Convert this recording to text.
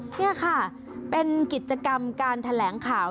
นี่ค่ะเป็นกิจกรรมการแถลงข่าว